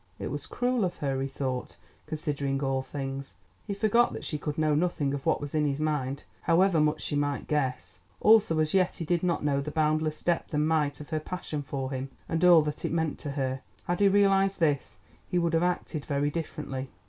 It was cruel of her, he thought, considering all things. He forgot that she could know nothing of what was in his mind, however much she might guess; also as yet he did not know the boundless depth and might of her passion for him, and all that it meant to her. Had he realised this he would have acted very differently.